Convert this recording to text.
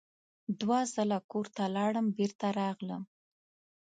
دوه ځله کور ته لاړم بېرته راغلم.